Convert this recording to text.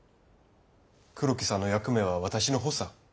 黒木さんの役目は私の補佐。